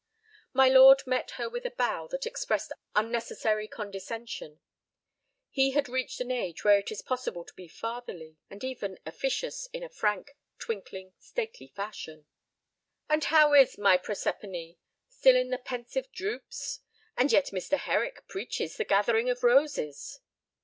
My lord met her with a bow that expressed unnecessary condescension. He had reached an age when it is possible to be fatherly, and even officious in a frank, twinkling, stately fashion. "And how is my Proserpine? Still in the pensive droops? And yet Mr. Herrick preaches the gathering of roses!"